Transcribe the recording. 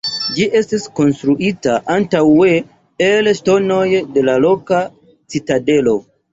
Ĝi estis konstruita antaŭe el ŝtonoj de la loka citadelo.